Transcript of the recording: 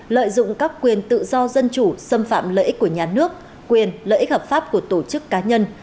lợi dụng các quyền tự do dân chủ xâm phạm lợi ích của nhà nước quyền lợi ích hợp pháp của tổ chức cá nhân